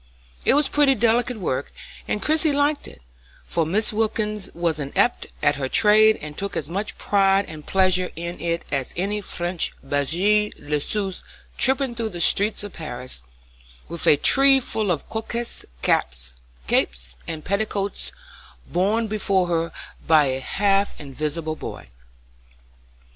It was pretty delicate work, and Christie liked it, for Mrs. Wilkins was an adept at her trade and took as much pride and pleasure in it as any French blanchisseuse tripping through the streets of Paris with a tree full of coquettish caps, capes, and petticoats borne before her by a half invisible boy.